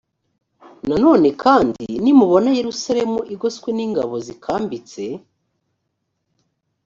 nanone kandi nimubona yerusalemu igoswe i n ingabo zikambitse